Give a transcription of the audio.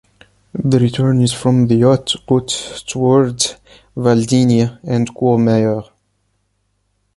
The return is from the Haute Route towards Valdigne and Courmayeur.